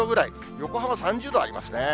横浜３０度ありますね。